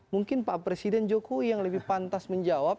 mungkin pak presiden jokowi yang lebih pantas menjawab